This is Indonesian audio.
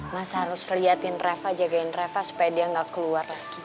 mas harus liatin rafa jagain rafa supaya dia gak keluar lagi